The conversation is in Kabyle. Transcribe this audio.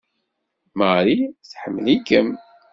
Marie tḥemmel-ikem!